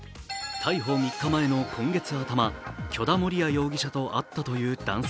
逮捕３日前の今月頭許田盛哉容疑者と会ったという男性。